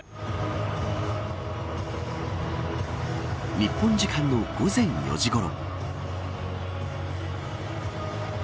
日本時間の午前４時ごろ。